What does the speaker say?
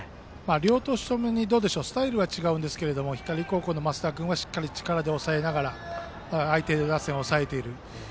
両投手ともにスタイルは違うんですけれど光高校の升田君はしっかり力で相手打線を抑えている。